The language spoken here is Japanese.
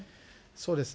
そうですね。